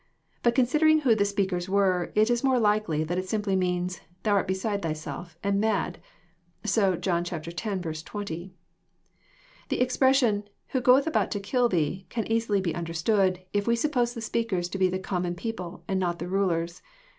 But considering who the speakers were, it Is more likely that it simply means, Thoa art beside Thyself, and mad. (So John x. 20.) The expression, " who goeth about to kill Thee," can easily be understood, if we suppose the speakers to be the common people, and not the rulers.